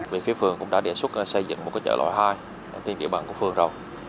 việc phía phường cũng đã đề xuất xây dựng một cái chợ loại hai tiền địa bằng của phường rồi